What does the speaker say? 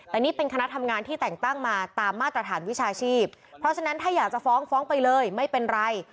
แต่นี่เป็นคณะทำงานที่แต่งตั้งมาตามมาตรฐานวิชาชีพเพราะฉะนั้นถ้าอยากจะฟ้องฟ้องไปเลยไม่เป็นไร